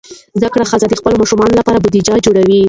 زده کړه ښځه د خپلو ماشومانو لپاره بودیجه جوړوي.